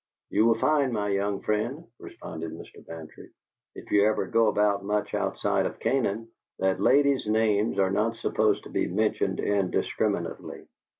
"You will find, my young friend," responded Mr. Bantry, "if you ever go about much outside of Canaan, that ladies' names are not supposed to be mentioned indiscriminately."